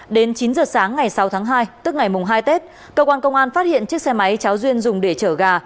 đến chín giờ sáng ngày sáu tháng hai tức ngày mùng hai tết cơ quan công an phát hiện chiếc xe máy cháu duyên dùng để chở gà